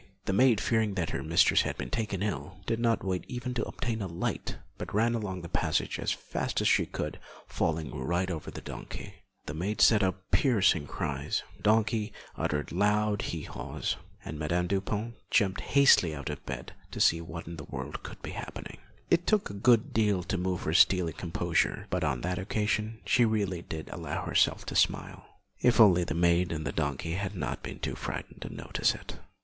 The maid, fearing that her mistress had been taken ill, did not wait even to obtain a light, but ran along the passage as fast as she could, falling right over the donkey. The maid set up piercing cries; the donkey uttered loud hee haws, and Madame Dupin jumped hastily out of bed to see what in the world could be happening. It took a good deal to move her stately composure, but on that occasion she really did allow herself to smile, if only the maid and the donkey had not been too frightened to notice it.